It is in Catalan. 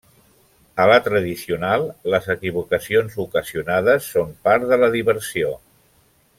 A la tradicional, les equivocacions ocasionades són part de la diversió.